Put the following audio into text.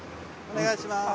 お願いしまーす。